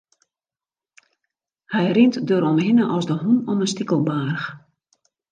Hy rint deromhinne as de hûn om in stikelbaarch.